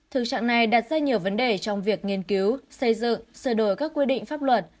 thực trạng này đặt ra nhiều vấn đề trong việc nghiên cứu xây dựng sửa đổi các quy định pháp luật